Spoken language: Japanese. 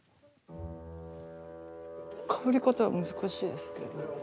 かぶり方難しいですね。